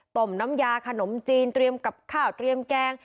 น้ำยาขนมจีนเตรียมกับข้าวเตรียมแกง